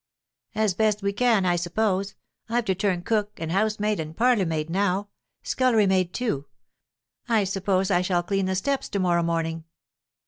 "As best we can, I suppose. I've to turn cook and housemaid and parlour maid, now. Scullery maid too. I suppose I shall clean the steps to morrow morning."